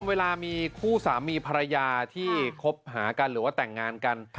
เวลามีคู่สามีภรรยาที่คบหากันหรือว่าแต่งงานกัน